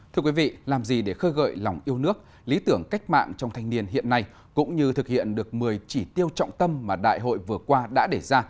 thưa quý vị làm gì để khơi gợi lòng yêu nước lý tưởng cách mạng trong thanh niên hiện nay cũng như thực hiện được một mươi chỉ tiêu trọng tâm mà đại hội vừa qua đã để ra